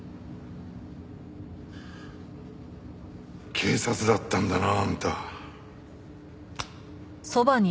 警察だったんだなあんた。